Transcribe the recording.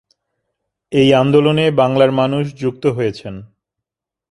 এই আন্দোলনে বাংলার মানুষ যুক্ত হয়েছেন।